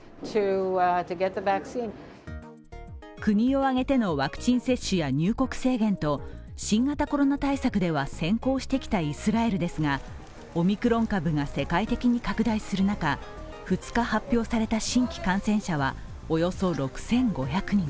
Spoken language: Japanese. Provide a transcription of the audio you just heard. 国を挙げてのワクチン接種や入国制限と、新型コロナ対策では先行してきたイスラエルですがオミクロン株が世界的に拡大する中、２日発表された新規感染者はおよそ６５００人。